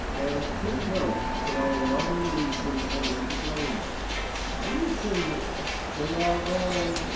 And take note that I am not in the least intending to blame them; I will say more, they are all